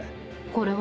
これは？